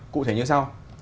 cụ thể như sau